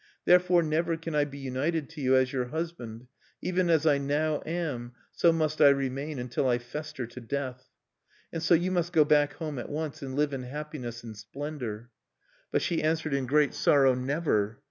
"Therefore never can I be united to you as your husband. Even as I now am, so must I remain until I fester to death. "And so you must go back home at once, and live in happiness and splendor." But she answered in great sorrow: "Never!